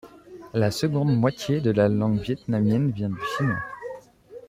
La seconde moitié de la langue vietnamienne vient du chinois.